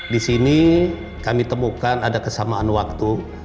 di sini kami temukan ada kesamaan waktu